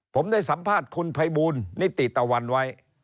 ผมได้สัมภาษณ์คุณภัยบูลนิติตะวันไว้